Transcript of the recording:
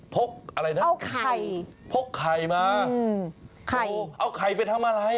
กอะไรนะเอาไข่พกไข่มาเอาไข่ไปทำอะไร